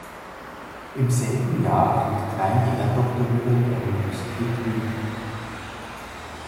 Im selben Jahr erhielt Klein die Ehrendoktorwürde der Universität Wien.